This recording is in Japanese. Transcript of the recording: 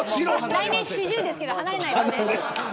来年、４０ですけど離れないですね。